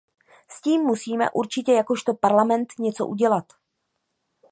S tím musíme určitě jakožto Parlament něco udělat.